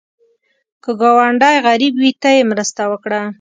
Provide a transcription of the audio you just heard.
که ګاونډی غریب وي، ته یې مرسته وکړه